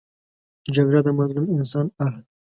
جګړه د مظلوم انسان آه دی